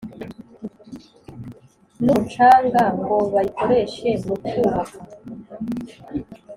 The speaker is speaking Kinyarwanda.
n’umucanga ngo bayikoreshe muku baka